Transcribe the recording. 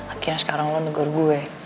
akhirnya sekarang lo negor gue